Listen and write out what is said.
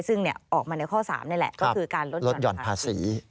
ซึ่งออกมาในข้อ๓นี่แหละก็คือการลดหย่อนภาษี